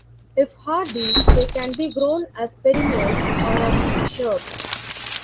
If hardy, they can be grown as perennials or as shrubs.